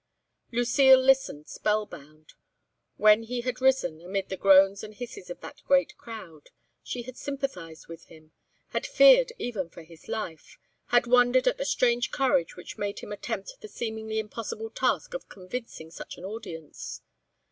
Lucile listened spell bound. When he had risen, amid the groans and hisses of that great crowd, she had sympathised with him, had feared even for his life, had wondered at the strange courage which made him attempt the seemingly impossible task of convincing such an audience.